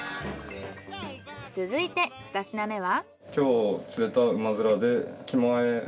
続いて２品目は？